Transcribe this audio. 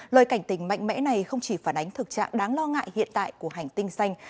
lời cảnh tình mạnh mẽ này không chỉ phản ánh thực trạng đáng lo ngại hiện tại của hành tinh xanh